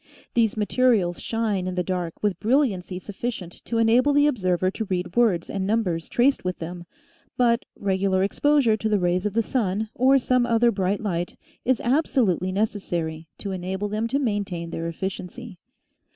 These materials shine in the dark with brilliancy sufficient to enable the observer to read words and numbers traced with them, but regular exposure to the rays of the sun or some other bright light is absolutely necessary to enable them to maintain their efficiency.